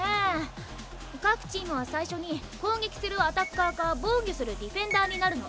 各チームは最初に攻撃するアタッカーか防御するディフェンダーになるの。